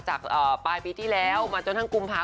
จากปลายปีที่แล้วมาจนทั้งกุมภาพ